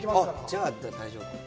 じゃあ、大丈夫。